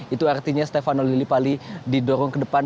itu artinya stefano lillipali didorong ke depan